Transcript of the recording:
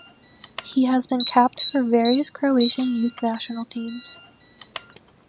He has been capped for various Croatian youth national teams.